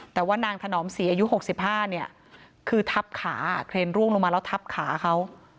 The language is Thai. แต่ว่านางถนอมศรีอายุ๖๕เนี่ยคือทับขาเครนร่วงลงมาแล้วทับขาเขา